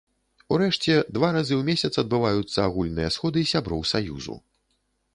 Урэшце, два разы ў месяц адбываюцца агульныя сходы сяброў саюзу.